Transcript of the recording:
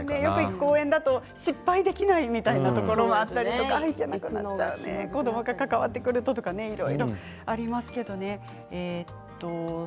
公園だと失敗できないということもあって子どもが関わってくるととかいろいろありますよね。